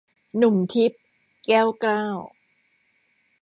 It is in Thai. หนุ่มทิพย์ - แก้วเก้า